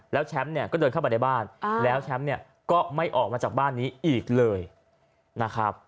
แล้วแชมป์เนี่ยก็เดินเข้ามาในบ้านแล้วแชมป์เนี่ยก็ไม่ออกมาจากบ้านนี้อีกเลยนะครับ